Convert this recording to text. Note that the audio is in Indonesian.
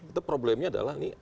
itu problemnya adalah nih